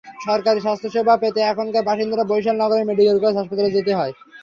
সরকারি স্বাস্থ্যসেবা পেতে এখানকার বাসিন্দাদের বরিশাল নগরের মেডিকেল কলেজ হাসপাতালে যেতে হয়।